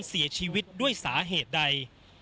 เสียชีวิตด้วยสาเหตุใด